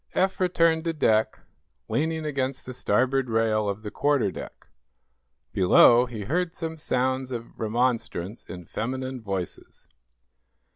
Eph returned to deck, leaning against the starboard rail of the quarter deck. Below, he heard some sounds of remonstrance in feminine voices.